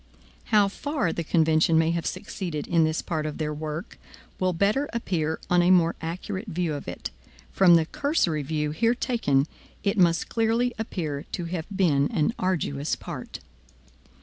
How far the convention may have succeeded in this part of their work, will better appear on a more accurate view of it. From the cursory view here taken, it must clearly appear to have been an arduous part.